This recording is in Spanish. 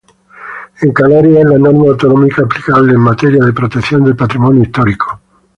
En Canarias es la norma autonómica aplicable en materia de protección del Patrimonio histórico.